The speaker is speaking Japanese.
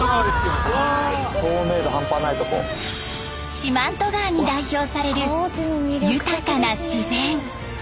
四万十川に代表される豊かな自然！